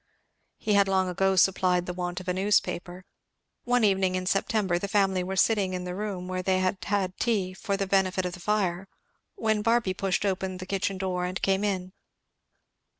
He had long ago supplied the want of a newspaper. One evening in September the family were sitting in the room where they had had tea, for the benefit of the fire, when Barby pushed open the kitchen door and came in.